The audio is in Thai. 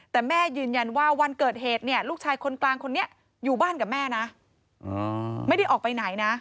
แต่แม่ยืนยันว่าวันเกิดเหตุเนี่ยลูกชายคนกลางคนนี้อยู่บ้านกับแม่นะไม่ได้ออกไปไหนนะ